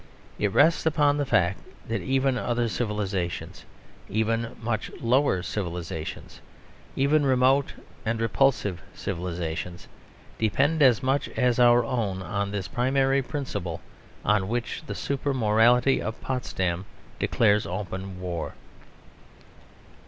It rests upon the fact that even other civilisations, even much lower civilisations, even remote and repulsive civilisations, depend as much as our own on this primary principle on which the super morality of Potsdam declares open War.